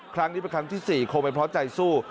ครั้งนี้เป็นครั้งที่๔คงไม่เพราะใจสู้